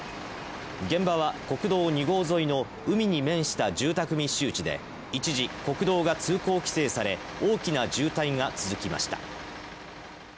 現場は国道２号沿いの海に面した住宅密集地で、一時、国道が通行規制され、大きな渋滞が続きました。